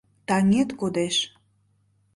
Таҥет кодеш